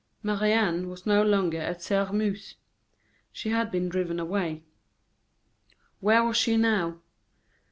Marie Anne was no longer at Sairmeuse she had been driven away. Where was she now?